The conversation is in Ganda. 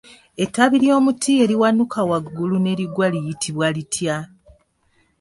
Ettabi ly'omuti eriwanuka waggulu ne ligwa liyitibwa litya?